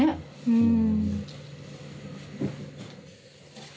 うん。